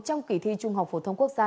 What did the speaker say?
trong kỳ thi trung học phổ thông quốc gia